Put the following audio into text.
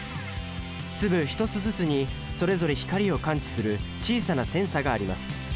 粒一つずつにそれぞれ光を感知する小さなセンサがあります。